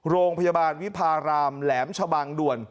โรงพยาบาลวิพารามแหลมชะบังด่วน